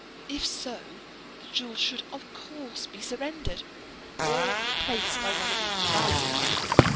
If so, the jewel should, of course, be surrendered, or replaced by one of equal value.